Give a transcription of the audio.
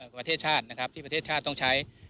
ประเทศชาตินะครับที่ประเทศชาติต้องใช้